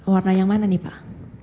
warna yang mana nih pak